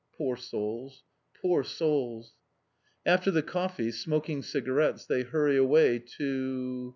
Poor souls! Poor souls! After the coffee, smoking cigarettes, they hurry away, to....